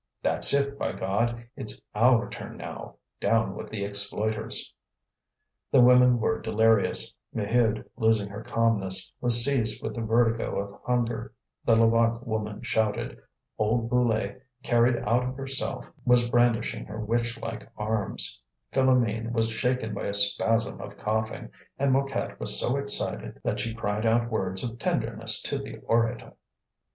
"That's it, by God! it's our turn now! Down with the exploiters." The women were delirious; Maheude, losing her calmness, was seized with the vertigo of hunger, the Levaque woman shouted, old Brulé, carried out of herself, was brandishing her witch like arms, Philoméne was shaken by a spasm of coughing, and Mouquette was so excited that she cried out words of tenderness to the orator.